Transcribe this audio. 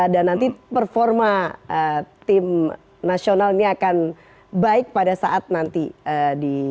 dan nanti performa tim nasional ini akan baik pada saat nanti di